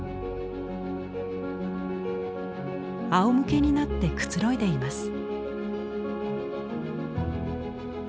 あおむけになってくつろいでいます。